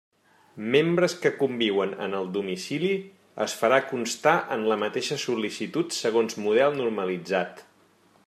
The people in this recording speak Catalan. Membres que conviuen en el domicili, es farà constar en la mateixa sol·licitud segons model normalitzat.